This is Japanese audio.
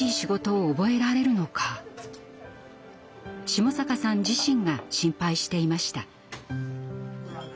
下坂さん自身が心配していました。